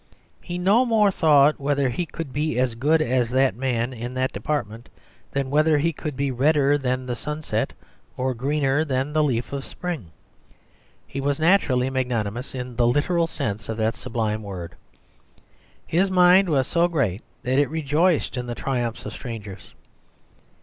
He no more thought whether he could be as good as that man in that department than whether he could be redder than the sunset or greener than the leaf of spring. He was naturally magnanimous in the literal sense of that sublime word; his mind was so great that it rejoiced in the triumphs of strangers.